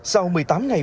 sau một mươi tám ngày